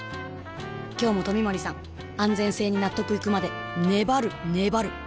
今日も冨森さん安全性に納得いくまで粘る粘る